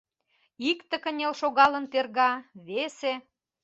Икте кынел шогалын терга, весе.